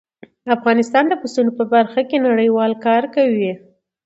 افغانستان د پسونو په برخه کې نړیوال کار کوي.